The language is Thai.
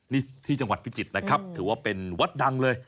นี่ที่จังหวัดพิจิตรนะครับถือว่าเป็นวัดดังเลย